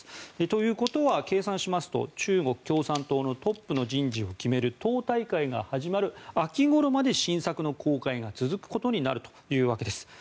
ということは、計算しますと中国共産党のトップの人事を決める党大会が始まる秋ごろまで新作の公開が続くことになるというわけです。